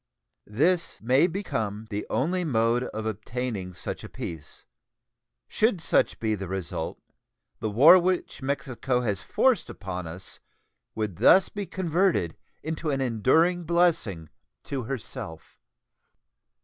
This may become the only mode of obtaining such a peace. Should such be the result, the war which Mexico has forced upon us would thus be converted into an enduring blessing to herself.